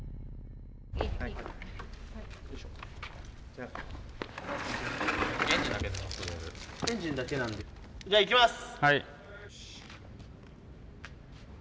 じゃいきます！